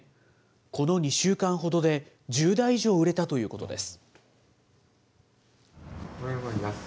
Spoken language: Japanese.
この２週間ほどで１０台以上売れたということです。